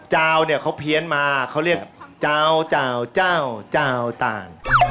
เจ้าเนี่ยเขาเพี้ยนมาเขาเรียกเจ้าเจ้าเจ้าต่าง